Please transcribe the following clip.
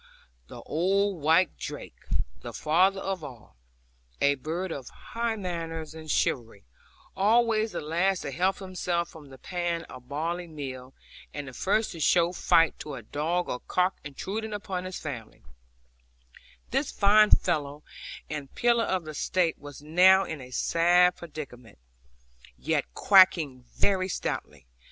the old white drake, the father of all, a bird of high manners and chivalry, always the last to help himself from the pan of barley meal, and the first to show fight to a dog or cock intruding upon his family, this fine fellow, and pillar of the state, was now in a sad predicament, yet quacking very stoutly.